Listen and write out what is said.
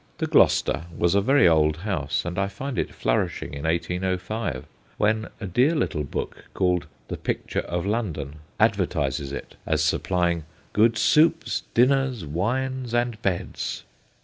'The Gloster' was a very old house, and I find it flourishing in 1805, when a dear little book, called The Picture of London, advertises it as supplying * good soups, dinners, wines, and beds.'